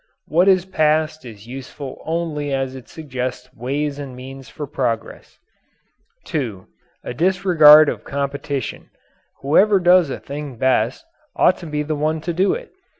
What is past is useful only as it suggests ways and means for progress. (2) A disregard of competition. Whoever does a thing best ought to be the one to do it.